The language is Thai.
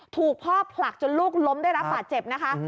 ถูกพ่อผลักจนลูกล้มได้รับบาดเจ็บนะคะ